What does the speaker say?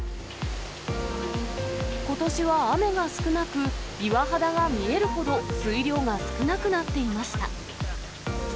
ことしは雨が少なく、岩肌が見えるほど、水量が少なくなっていました。